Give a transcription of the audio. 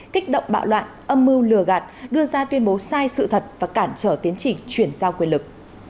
kích động bạo loạn âm mưu lừa gạt đưa ra tuyên bố sai sự thật và cản trở tiến trình chuyển giao quyền lực